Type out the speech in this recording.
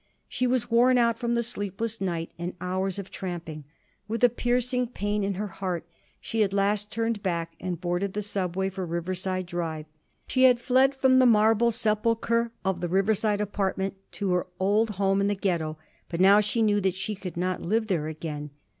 She was worn out from the sleepless night and hours of tramping. With a piercing pain in her heart she at last turned back and boarded the subway for Riverside Drive. She had fled from the marble sepulcher of the Riverside apartment to her old home in the Ghetto; but now she knew that she could not live there again.